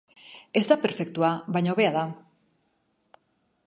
Ez da perfektua, baina hobea da.